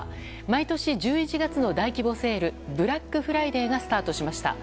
毎年１１月の大規模セールブラックフライデーがスタートしました。